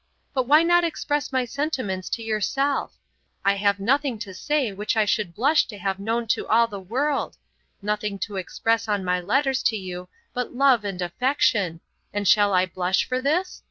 But why not express my sentiments to yourself? I have nothing to say which I should blush to have known to all the world; nothing to express in my letters to you but love and affection, and shall I blush for this?